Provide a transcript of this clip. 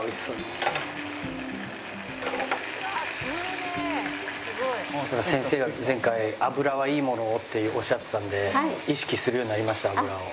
すごい」先生が前回「油はいいものを」っておっしゃっていたので意識するようになりました油を。